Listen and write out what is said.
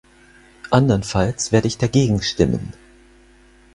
Andernfalls werde ich dagegen stimmen.